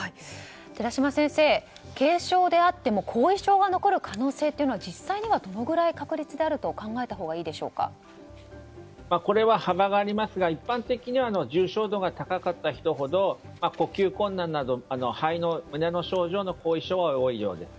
寺嶋先生、軽症であっても後遺症が残る可能性は実際には、どのぐらいの確率であるとこれは幅がありますが一般的には重症度が高かった人ほど呼吸困難など肺の胸の症状の後遺症は多いようです。